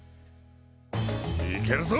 いけるぞ！